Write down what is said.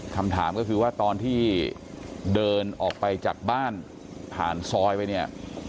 คำถามก็คือว่าตอนที่เดินออกไปจากบ้านผ่านซอยไปเนี่ย